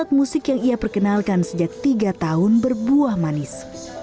dan musik musik yang ia perkenalkan sejak tiga tahun berbuah manis